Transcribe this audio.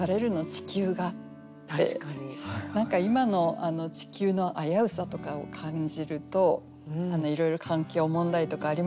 ちきゅうが」って何か今の地球の危うさとかを感じるといろいろ環境問題とかありますよね。